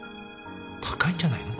高いんじゃないの？